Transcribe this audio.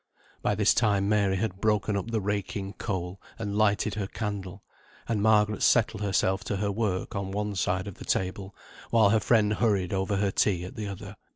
By this time Mary had broken up the raking coal, and lighted her candle; and Margaret settled herself to her work on one side of the table, while her friend hurried over her tea at the other.